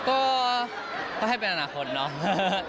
ก็ให้เป็นอนาคตเนาะ